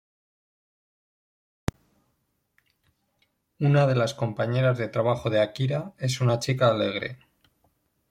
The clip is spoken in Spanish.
Una de las compañeras de trabajo de Akira, es una chica alegre.